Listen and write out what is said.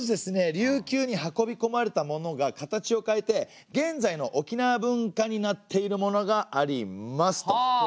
琉球に運び込まれたものが形を変えて現在の沖縄文化になっているものがありますと。